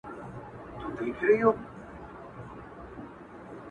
هم مرغان هم څلور بولي یې خوړله -